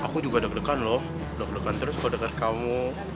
aku juga deg degan loh deg degan terus kalau dekat kamu